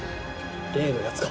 例のやつか？